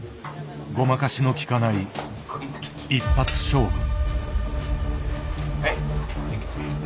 ごまかしの利かない一発勝負。